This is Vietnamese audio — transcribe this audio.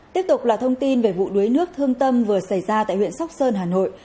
tiếp tục là thông tin về vụ đuối nước thương tâm vừa xảy ra tại huyện sóc sơn hà nội